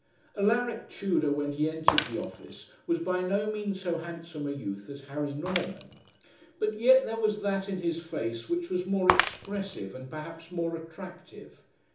Alaric Tudor when he entered the office was by no means so handsome a youth as Harry Norman; but yet there was that in his face which was more expressive, and perhaps more attractive.